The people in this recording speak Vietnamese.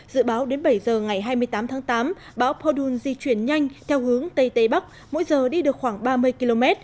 dự báo đến bảy giờ ngày hai mươi tám tháng tám bão podun di chuyển nhanh theo hướng tây tây bắc mỗi giờ đi được khoảng ba mươi km